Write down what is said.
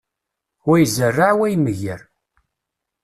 Wa izerreε, wa imegger.